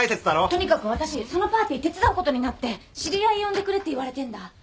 とにかく私そのパーティー手伝うことになって知り合い呼んでくれって言われてんだ。